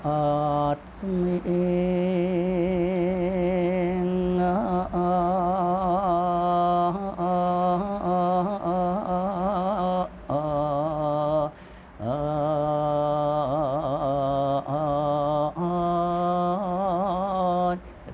อ่าอ่า